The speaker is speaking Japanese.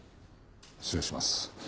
失礼します。